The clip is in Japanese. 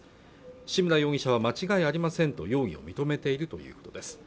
志村容疑者は間違いありませんと容疑を認めているということです